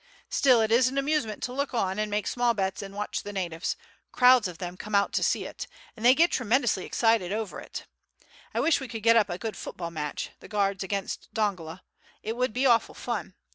Still it is an amusement to look on and make small bets and watch the natives; crowds of them come out to see it, and they get tremendously excited over it. I wish we could get up a good football match, the Guards against Dongola; it would be awful fun.